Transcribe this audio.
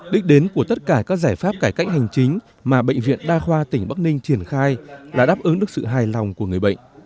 đích đến của tất cả các giải pháp cải cách hành chính mà bệnh viện đa khoa tỉnh bắc ninh triển khai là đáp ứng được sự hài lòng của người bệnh